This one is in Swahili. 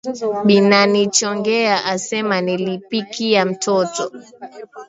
Bananichongea asema nilipika mtoto